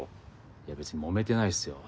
いやべつにもめてないっすよ。